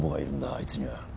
あいつには。